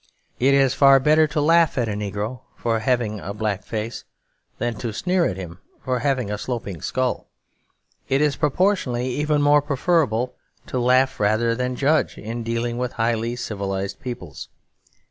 It is far better to laugh at a negro for having a black face than to sneer at him for having a sloping skull. It is proportionally even more preferable to laugh rather than judge in dealing with highly civilised peoples.